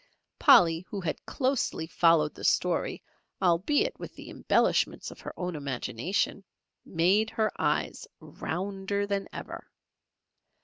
Polly, who had closely followed the story, albeit with the embellishments of her own imagination, made her eyes rounder than ever.